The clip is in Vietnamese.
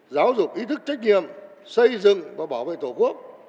giáo dục ý thức trách nhiệm xây dựng và bảo vệ tổ quốc